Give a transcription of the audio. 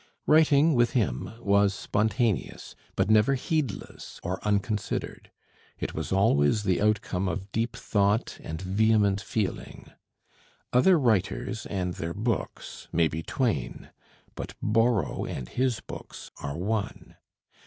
Writing with him was spontaneous, but never heedless or unconsidered; it was always the outcome of deep thought and vehement feeling. Other writers and their books may be twain, but Borrow and his books are one.